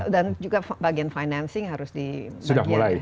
dan juga bagian financing harus di bagian